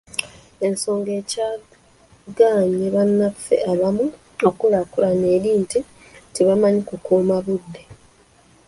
Ensonga ekyagaanyi bannaffe abamu okukulaakulana eri nti tebamanyi kukuuma budde.